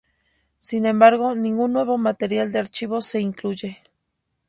Sin embargo, ningún nuevo material de archivo se incluye.